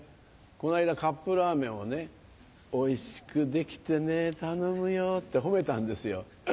この間カップラーメンをね「おいしくできてね頼むよ」って褒めたんですよ。